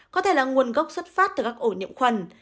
có thể là nguồn gốc xuất phát từ các ổ nhiễm khuẩn